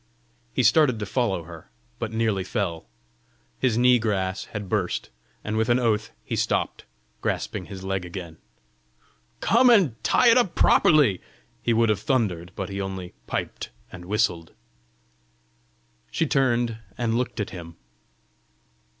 He started to follow her, but nearly fell: his knee grass had burst, and with an oath he stopped, grasping his leg again. "Come and tie it up properly!" he would have thundered, but he only piped and whistled! She turned and looked at him.